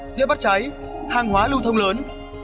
dĩa bắt cháy hàng hóa lưu thông lớn